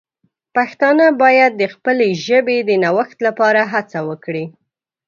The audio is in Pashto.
پښتانه باید د خپلې ژبې د نوښت لپاره هڅه وکړي.